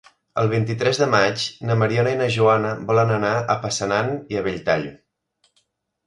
El vint-i-tres de maig na Mariona i na Joana volen anar a Passanant i Belltall.